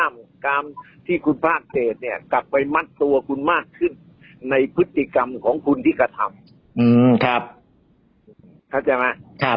มากขึ้นในพฤติกรรมของคุณธิกษ์กระทำอืมครับเข้าใจไหมครับ